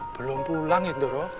belum pulang ya tontoro